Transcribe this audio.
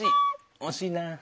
おしいな。